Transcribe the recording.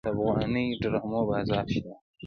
د افغاني ډرامو بازار شته؟